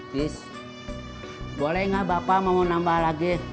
cis boleh gak bapak mau nambah